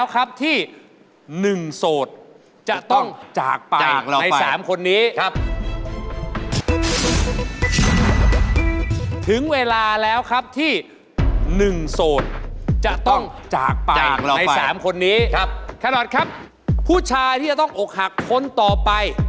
คุณจะแก้ตัวว่าอย่างไรคุณจะทำอย่างไร